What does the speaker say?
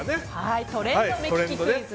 トレンド目利きクイズ